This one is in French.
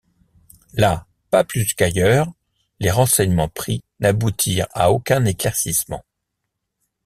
Là, pas plus qu’ailleurs, les renseignements pris n’aboutirent à aucun éclaircissement.